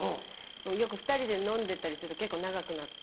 よく２人で飲んでたりすると結構長くなって。